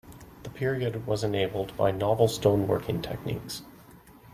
The period was enabled by novel stone working techniques.